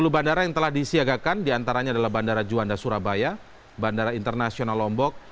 sepuluh bandara yang telah disiagakan diantaranya adalah bandara juanda surabaya bandara internasional lombok